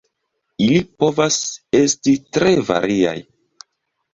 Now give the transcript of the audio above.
Ili povas estis tre variaj.